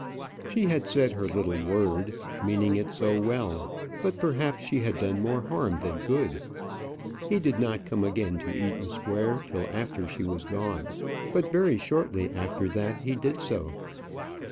She had said her little word, meaning it so well. But perhaps she had done more harm than good. He did not come again to Eaton Square till after she was gone; but very shortly after that he did so.